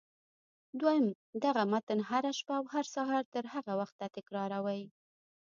دويم دغه متن هره شپه او هر سهار تر هغه وخته تکراروئ.